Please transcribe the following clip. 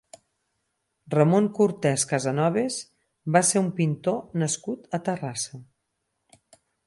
Ramon Cortès Casanovas va ser un pintor nascut a Terrassa.